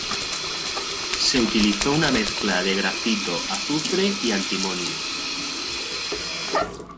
Se utilizó una mezcla de grafito, azufre y antimonio.